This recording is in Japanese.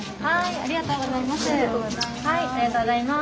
ありがとうございます。